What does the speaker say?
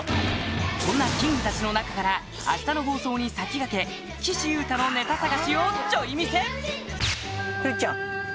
そんなＫｉｎｇたちの中から明日の放送に先駆け岸優太のネタ探しをちょい見せ！